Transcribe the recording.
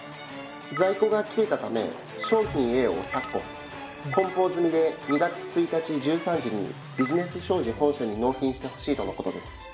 在庫が切れたため商品Ａを１００個梱包済みで２月１日１３時にビジネス商事本社に納品してほしいとのことです。